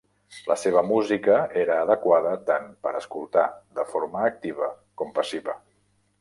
La seva música era adequada tant per escoltar de forma activa com passiva.